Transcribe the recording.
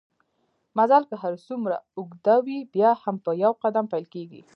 مزل که هرڅومره اوږده وي بیا هم په يو قدم پېل کېږي